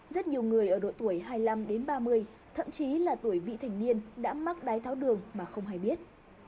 rất nhiều người ở độ tuổi hai mươi năm đến ba mươi thậm chí là tuổi vị thành niên đã mắc đái tháo đường mà không hay biết